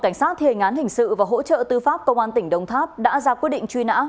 cảnh sát thề ngán hình sự và hỗ trợ tư pháp công an tỉnh đông tháp đã ra quyết định truy nã